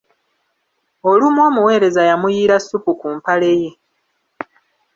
Olumu omuweereza yamuyiira ssupu ku mpale ye.